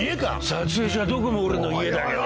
撮影所はどこも俺の家だけど？